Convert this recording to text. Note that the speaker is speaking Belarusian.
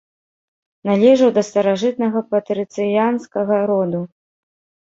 Належаў да старажытнага патрыцыянскага роду.